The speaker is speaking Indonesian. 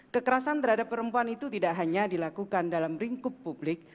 kekerasan terhadap perempuan itu tidak hanya dilakukan dalam lingkup publik